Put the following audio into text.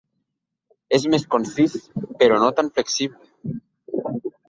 És més concís però no tan flexible.